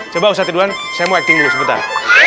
coba ustadz tiduran saya mau acting dulu sebentar